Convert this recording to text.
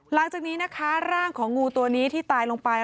หลังจากนี้นะคะร่างของงูตัวนี้ที่ตายลงไป